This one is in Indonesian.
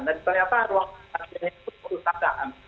dan ternyata ruang rakyatnya itu perusahaan